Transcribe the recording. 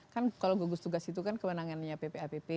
kan kalau gugus tugas itu kan kewenangannya ppapp